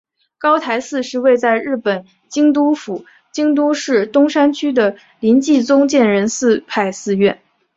高台寺是位在日本京都府京都市东山区的临济宗建仁寺派寺院。